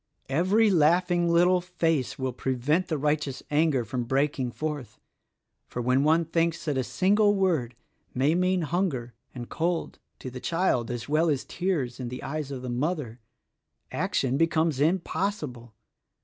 "Every laughing little face will prevent the righteous anger from breaking forth; for when one thinks that a single word may mean hunger and cold to the child as well as tears in the eyes of the mother, action becomes impossible.